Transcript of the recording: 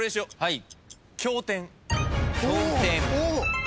はい！